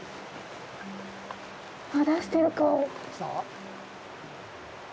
出してる、顔。